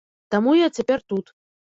Таму я цяпер тут.